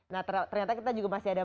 nah ternyata kita juga masih ada